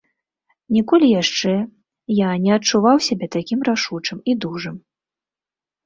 Ніколі яшчэ я не адчуваў сябе такім рашучым і дужым.